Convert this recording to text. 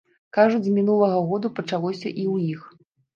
Кажуць, з мінулага года пачалося і ў іх.